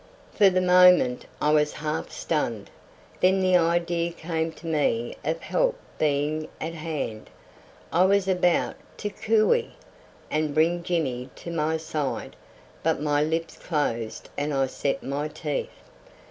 For the moment I was half stunned. Then the idea came to me of help being at hand, and I was about to cooey and bring Jimmy to my side, but my lips closed and I set my teeth.